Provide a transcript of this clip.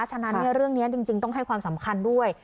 ฉะนั้นเรื่องนี้จริงต้องให้ความสำคัญด้วย